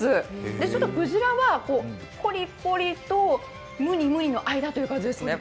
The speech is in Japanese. ちょっとくじらはコリコリとムニムニの間という感じですね。